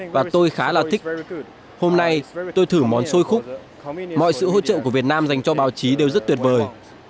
và tôi khá là thích hôm nay tôi thử món sôi khúc mọi sự hỗ trợ của việt nam dành cho báo chí đều rất tuyệt vời